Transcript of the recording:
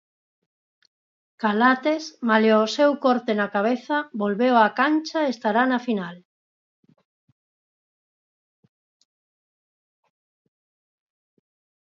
Calates, malia o seu corte na cabeza, volveu a cancha e estará na final.